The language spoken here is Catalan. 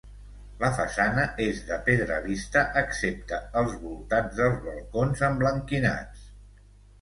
La façana és de pedra vista excepte els voltants dels balcons emblanquinats.